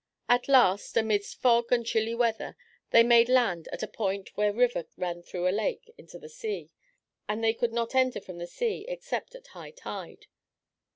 At last, amidst fog and chilly weather, they made land at a point where a river ran through a lake into the sea, and they could not enter from the sea except at high tide.